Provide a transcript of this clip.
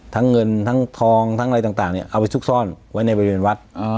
ทั้งเงินทั้งทองทั้งอะไรต่างเนี่ยเอาไปซุกซ่อนไว้ในบริเวณวัด